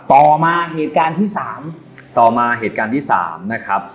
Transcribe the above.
ต่อมาเหตุการณ์ที่สามต่อมาเหตุการณ์ที่สามนะครับ